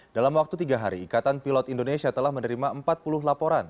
dalam waktu tiga hari ikatan pilot indonesia telah menerima empat puluh laporan